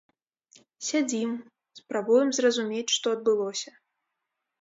Сядзім, спрабуем зразумець, што адбылося.